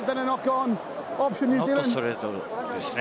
ノットストレートですね。